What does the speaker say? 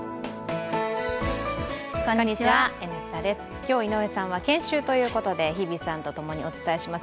今日、井上さんは研修ということで日比さんととともにお伝えします。